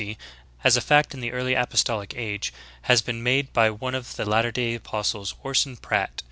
43 as a fact in the early apostolic age, has been made by one of the latter day apostles, Orson Pratt.